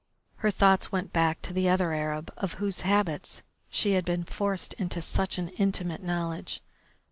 Her thoughts went back to the other Arab, of whose habits she had been forced into such an intimate knowledge.